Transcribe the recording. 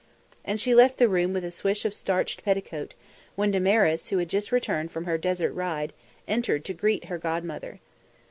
And she left the room with a swish of starched petticoat, when Damaris, who had just returned from her desert ride, entered to greet her godmother.